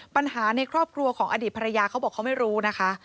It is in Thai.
ในครอบครัวของอดีตภรรยาเขาบอกเขาไม่รู้นะคะ